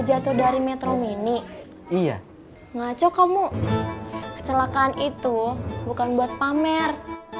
jatuh dari metro mini iya ngaco kamu kecelakaan itu bukan buat pamer